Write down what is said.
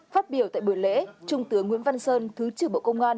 phát biểu tại buổi lễ trung tướng nguyễn văn sơn thứ trưởng bộ công an